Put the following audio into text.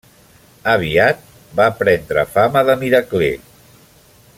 Aviat va prendre fama de miracler.